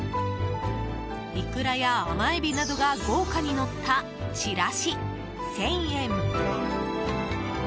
イクラや甘エビなどが豪華にのったちらし、１０００円。